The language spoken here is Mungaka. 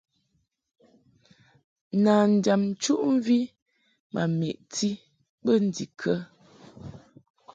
Nanjam nchuʼmvi ma meʼti bə ndikə ?